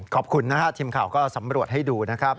ขอบคุณนะฮะทีมข่าวก็สำรวจให้ดูนะครับ